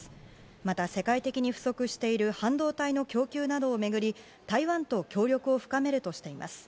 また世界的に不足している半導体の供給などをめぐり、台湾と協力を深めるとしています。